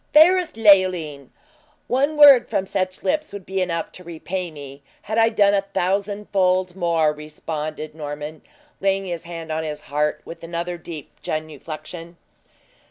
"Fairest Leoline! one word from such lips would be enough to repay me, had I done a thousandfold more," responded Norman, laying his hand on his heart, with another deep genuflection.